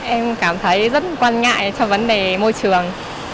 em cảm thấy rất quan ngại cho vấn đề môi trường